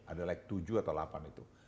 ada lag tujuh atau delapan itu